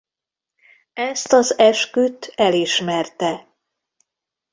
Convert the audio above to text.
Ezt az esküdt elismerte.